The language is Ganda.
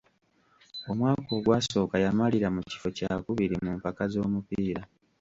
Omwaka ogwasooka yamalira mu kifo kya kubiri mu mpaka z'omupiira.